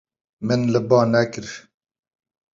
Min li ba nekir.